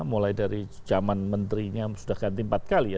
mulai dari zaman menterinya sudah ganti empat kali ya